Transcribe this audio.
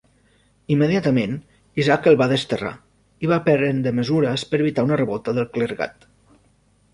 Immediatament Isaac el va desterrar, i va prendre mesures per evitar una revolta del clergat.